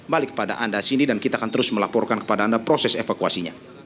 balik kepada anda sini dan kita akan terus melaporkan kepada anda proses evakuasinya